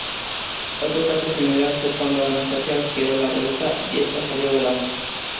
Otro caso similar fue cuando Anastacia giró la ruleta y esta salió volando.